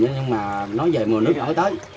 nhưng mà nói về mùa nước mới tới